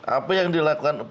apa yang dilakukan